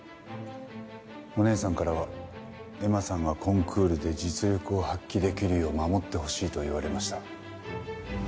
お姉さんからは恵麻さんがコンクールで実力を発揮できるよう護ってほしいと言われました。